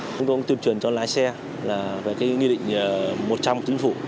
chúng tôi cũng tuyên truyền cho lái xe về nghị định một trăm linh của chính phủ